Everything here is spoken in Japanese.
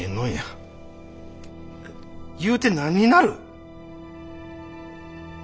言うて何になる？